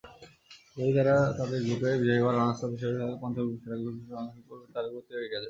যদি তারা তাদের গ্রুপে বিজয়ী বা রানার্সআপ হিসাবে শেষ করে তবে পঞ্চম সেরা গ্রুপ রানার্সআপ তাদের পরিবর্তে এগিয়ে যাবে।